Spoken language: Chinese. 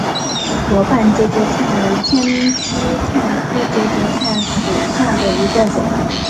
薄瓣节节菜为千屈菜科节节菜属下的一个种。